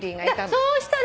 そうしたら。